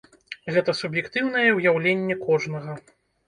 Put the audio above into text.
Гэта суб'ектыўнае ўяўленне кожнага.